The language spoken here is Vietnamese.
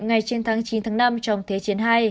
ngay trên tháng chín tháng năm trong thế chiến hai